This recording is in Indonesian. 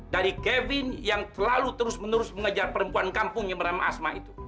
dari kevin yang selalu terus menerus mengejar perempuan kampung yang bernama asma itu